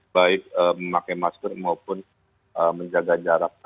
baik memakai masker maupun menjaga jarak